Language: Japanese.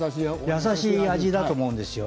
優しい味だと思うんですよ。